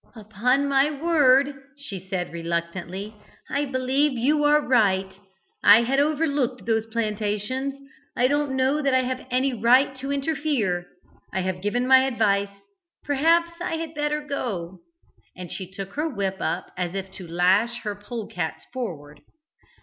"Upon my word," she said, reluctantly, "I believe you are right. I had overlooked those plantations. I don't know that I have any right to interfere I have given my advice perhaps I had better go " and she took her whip up as if to lash her polecats forward.